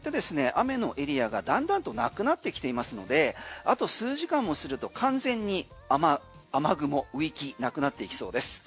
雨のエリアがだんだんとなくなってきていますのであと数時間もすると完全に雨雲雨域なくなっていきそうです。